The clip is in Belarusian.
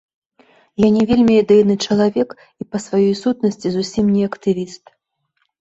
Я не вельмі ідэйны чалавек і па сваёй сутнасці зусім не актывіст.